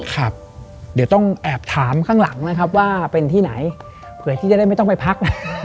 ครับเดี๋ยวต้องแอบถามข้างหลังนะครับว่าเป็นที่ไหนเผื่อที่จะได้ไม่ต้องไปพักนะ